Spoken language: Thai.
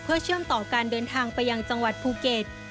เพื่อเชื่อมต่อการเดินทางไปยังจังหวัดภูเก็ต